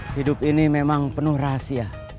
hidup ini memang penuh rahasia